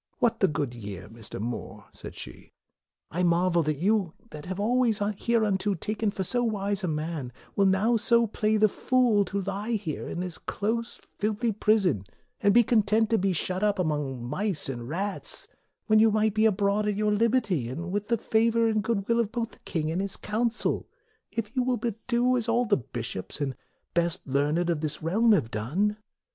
" What the good year, Mr. More," said she, " I marvel that you, that have been always hereunto taken for so wise a man, will now so play the fool MORE 47 to lie here in this close, filthy prison, and be content to be shut up among mice and rats, when you might be abroad at your liberty, and with the favor and good will both of the king and his Council, if you would but do as all the bishops and best learned of this Realm have done.